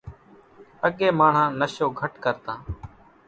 اڳيَ ماڻۿان نشو گھٽ ڪرتان۔